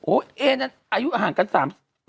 โอ้ยเอ๊น่ะอายุห่างกัน๓นาที